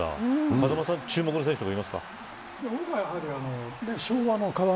風間さんは注目の選手とかはいますか。